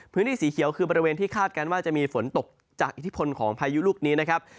พื้นที่สีเขียวคือบริเวณที่คาดการณ์ว่าจะมีฝนตกจากอิทธิพลของพายุลูกนี้นะครับ